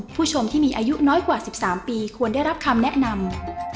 ผู้ชมที่มีอายุน้อยกว่า๑๓ปีควรได้รับคำแนะนำ